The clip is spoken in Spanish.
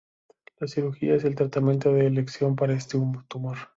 La cirugía es el tratamiento de elección para este tumor.